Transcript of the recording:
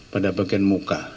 pada bagian muka